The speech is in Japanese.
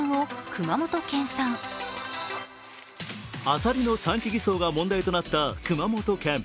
アサリの産地偽装が問題となった熊本県。